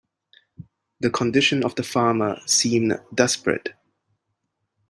The condition of the farmer seemed desperate.